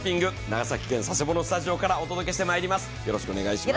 長崎県佐世保のスタジオからお届けしてまいります。